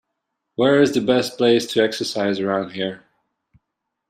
Where is the best place to exercise around here?